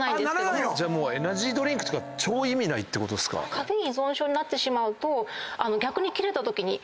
カフェイン依存症になってしまうと逆に。